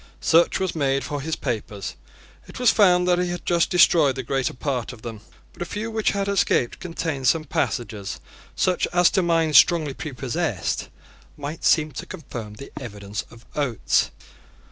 Search was made for his papers. It was found that he had just destroyed the greater part of them. But a few which had escaped contained some passages such as, to minds strongly prepossessed, might seem to confirm the evidence of Oates.